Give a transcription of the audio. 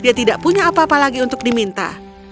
dia tidak punya apa apa lagi untuk diminta